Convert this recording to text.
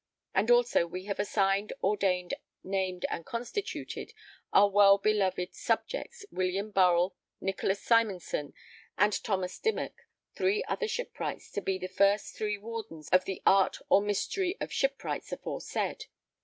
And also we have assigned ordained named and constituted ... our well beloved subjects William Burrell Nicholas Simonson and Thomas Dymock three other shipwrights to be the first three Wardens of the art or mystery of Shipwrights aforesaid....